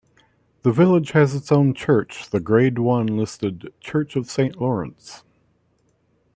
The village has its own church, the Grade One listed 'Church of Saint Lawrence'.